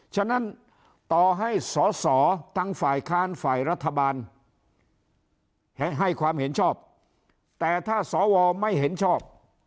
ฉะนั้นต่อให้สอสอทั้งฝ่ายค้านฝ่ายรัฐบาลให้ความเห็นชอบแต่ถ้าสวไม่เห็นชอบ